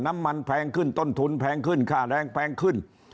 แพงขึ้นต้นทุนแพงขึ้นค่าแรงแพงขึ้น